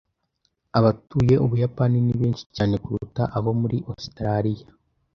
Abatuye Ubuyapani ni benshi cyane kuruta abo muri Ositaraliya.